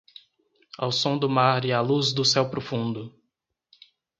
Ao som do mar e à luz do céu profundo